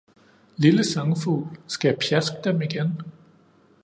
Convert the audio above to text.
Lille sangfugl, skal jeg pjaske Dem igen?